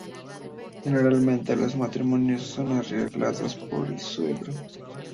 Generalmente los matrimonios son arreglados por el suegro.